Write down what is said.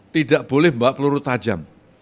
tidak boleh membawa peluru tajam